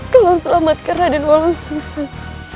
tolong selamatkan raden walon susan